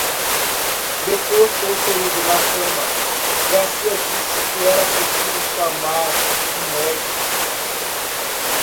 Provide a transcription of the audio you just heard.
Deposto o ferido na cama, Garcia disse que era preciso chamar um médico.